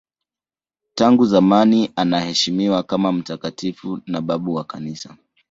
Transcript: Tangu zamani anaheshimiwa kama mtakatifu na babu wa Kanisa.